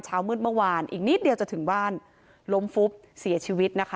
เช้ามืดเมื่อวานอีกนิดเดียวจะถึงบ้านล้มฟุบเสียชีวิตนะคะ